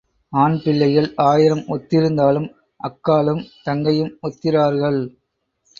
ஆண் பிள்ளைகள் ஆயிரம் ஒத்திருந்தாலும் அக்காளும் தங்கையும் ஒத்திரார்கள்.